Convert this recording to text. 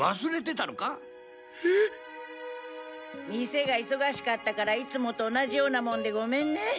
店が忙しかったからいつもと同じようなもんでごめんね。